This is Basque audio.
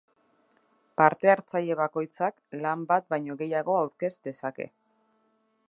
Parte-hartzaile bakoitzak lan bat baino gehiago aurkez dezake.